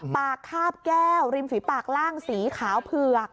คาบแก้วริมฝีปากล่างสีขาวเผือก